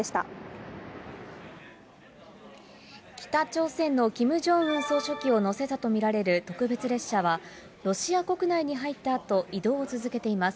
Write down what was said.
北朝鮮のキム・ジョンウン総書記を乗せたと見られる特別列車は、ロシア国内に入ったあと移動を続けています。